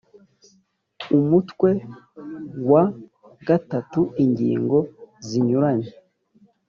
umutwe wa iii ingingo zinyuranye